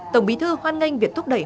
tổng bí thư hoan nghênh việc thúc đẩy